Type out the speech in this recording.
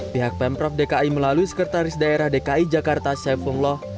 pihak pemprov dki melalui sekretaris daerah dki jakarta saifullah